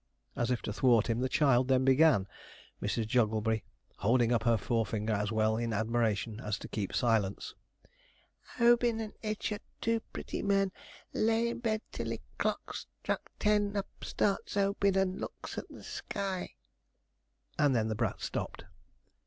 As if to thwart him, the child then began, Mrs. Jogglebury holding up her forefinger as well in admiration as to keep silence: 'Obin and Ichard, two pretty men, Lay in bed till 'e clock struck ten; Up starts Obin, and looks at the sky ' And then the brat stopped.